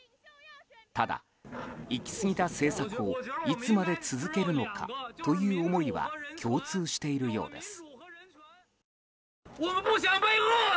ただ、いきすぎた政策をいつまで続けるのかという思いは共通しているようです。